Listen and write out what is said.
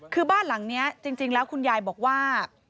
คือบ้านหลังนี้จริงแล้วคุณยายบอกว่า